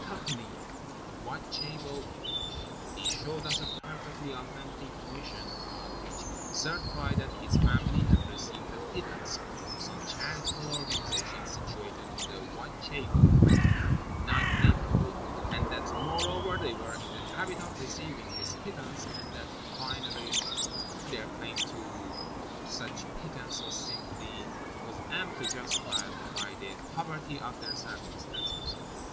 Cockney Whitechapel English. He showed us a perfectly authentic mission card which certified that his family had received a pittance from some charitable organisation situated in the Whitechapel neighbourhood, and that, moreover, they were in the habit of receiving this pittance; and that, finally, their claim to such pittance was amply justified by the poverty of their circumstances.